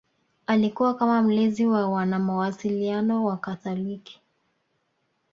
Alikuwa kama mlezi wa wanamawasiliano wakatoliki